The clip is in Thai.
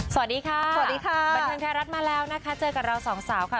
สวัสดีค่ะสวัสดีค่ะบันเทิงไทยรัฐมาแล้วนะคะเจอกับเราสองสาวค่ะ